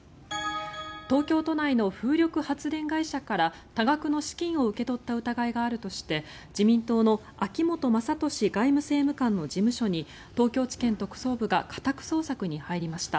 東京都内の風力発電会社から多額の資金を受け取った疑いがあるとして自民党の秋本真利外務政務官の事務所に東京地検特捜部が家宅捜索に入りました。